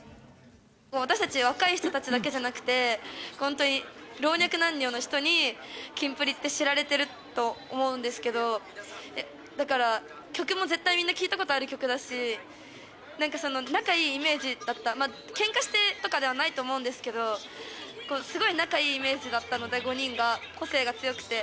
私たち若い人たちだけじゃなくて、本当に、老若男女の人にキンプリって知られてると思うんですけど、だから曲も絶対みんな聴いたことある曲だし、なんかその、仲いいイメージだった、けんかしてとかではないと思うんですけど、すごい仲いいイメージだったので、５人が、個性が強くて。